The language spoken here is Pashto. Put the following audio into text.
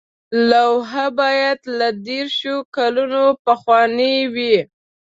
لوحه باید له دیرشو کلونو پخوانۍ وي.